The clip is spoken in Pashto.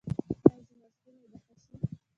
ایا زما ستونی به ښه شي؟